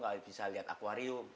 gak bisa liat akuarium